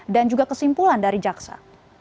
dan juga kesimpulan dari jaksa